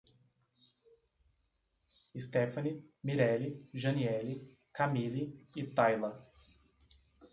Estefany, Mirele, Janiele, Camili e Taila